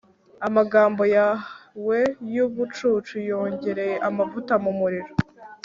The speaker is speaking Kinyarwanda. amagambo yawe yubucucu yongereye amavuta mumuriro